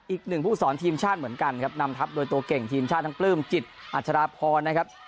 อีกหนึ่งผู้สอนทีมชาติเหมือนกันครับนำทัพโดยตัวเก่งทีมชาติทั้งปลื้มจิตอัชราพรนะครับ